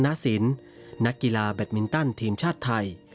เข้าถึงที่ภูมิพลอยีนักกีฬาแบตมินตันทีมชาติไทย